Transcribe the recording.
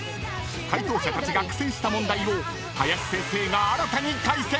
［解答者たちが苦戦した問題を林先生が新たに解説！］